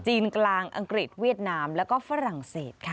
กลางอังกฤษเวียดนามแล้วก็ฝรั่งเศสค่ะ